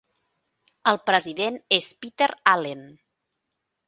El president és Peter Allen.